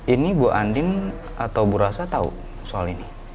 ini bu andin atau bu rasa tahu soal ini